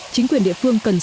chính quyền địa phương cần sớm